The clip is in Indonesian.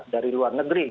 dari luar negeri